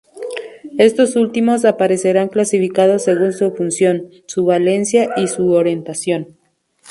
Estos últimos aparecerán clasificados según su función, su valencia y su orientación.